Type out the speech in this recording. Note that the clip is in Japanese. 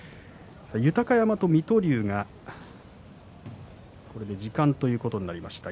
豊山と水戸龍が時間ということになりました。